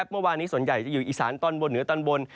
เมื่อวานนี้ส่วนใหญ่จะอยู่อีสานตอนบนเหนือตอนบน